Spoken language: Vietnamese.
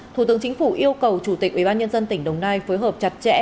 thủ tướng chính phủ yêu cầu chủ tịch ủy ban nhân dân tỉnh đồng nai phối hợp chặt chẽ